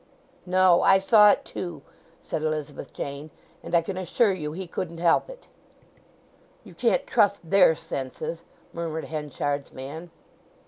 "No; I saw it, too," said Elizabeth Jane. "And I can assure you he couldn't help it." "You can't trust their senses!" murmured Henchard's man.